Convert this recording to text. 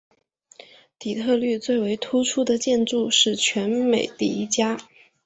底特律最为突出的建筑是全美第一家。